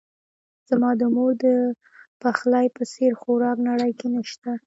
زما د مور دپخلی په څیر خوراک نړۍ کې نه شته